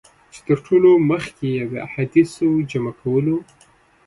چي تر ټولو مخکي یې د احادیثو جمع کولو.